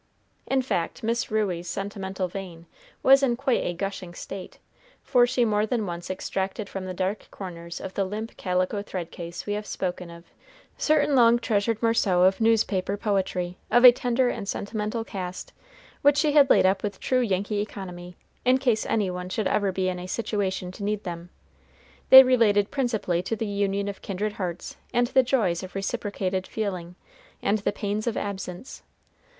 In fact, Miss Ruey's sentimental vein was in quite a gushing state, for she more than once extracted from the dark corners of the limp calico thread case we have spoken of certain long treasured morceaux of newspaper poetry, of a tender and sentimental cast, which she had laid up with true Yankee economy, in case any one should ever be in a situation to need them. They related principally to the union of kindred hearts, and the joys of reciprocated feeling and the pains of absence.